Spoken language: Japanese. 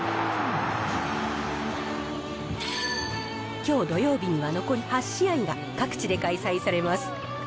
きょう土曜日には残り８試合が各地で開催されます。